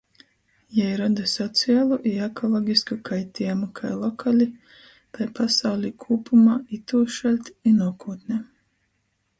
Jei roda socialu i ekologisku kaitiejumu kai lokali, tai pasaulī kūpumā itūšaļt i nuokūtnē.